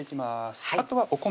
あとはお米